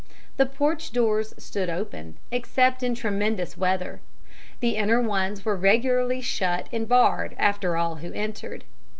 The porch doors stood open, except in tremendous weather; the inner ones were regularly shut and barred after all who entered.